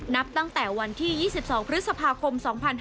นับตั้งแต่วันที่๒๒พฤษภาคม๒๕๕๙